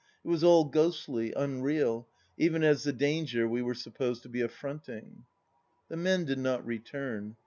... It was all ghostly, unreal, even as the danger we were supposed to be affronting. ... The men did not return.